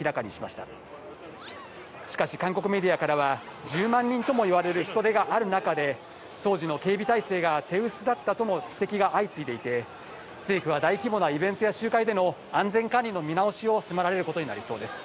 しかし韓国メディアからは１０万人ともいわれる人出がある中で、当時の警備態勢が手薄だったとも指摘が相次いでいて、政府は大規模なイベントや集会での安全管理の見直しを迫られることになりそうです。